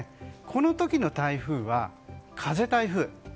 この時の台風は風台風。